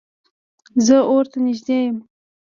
زه اور ته نږدې یم